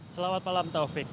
selamat malam taufik